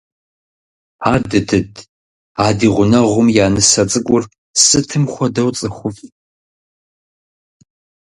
Адыдыд, а ди гъунэгъум я нысэ цӀыкӀур сытым хуэдэу цӀыхуфӏ.